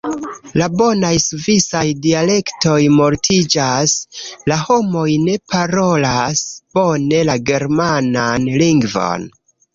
La bonaj svisaj dialektoj mortiĝas, la homoj ne parolas bone la germanan lingvon.